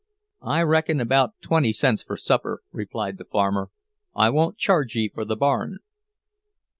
"I reckon about twenty cents for supper," replied the farmer. "I won't charge ye for the barn."